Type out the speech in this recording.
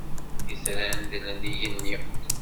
Itran dlen igenni.